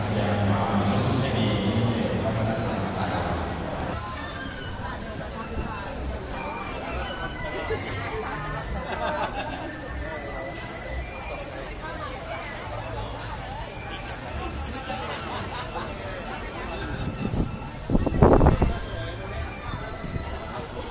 สวัสดีทุกคน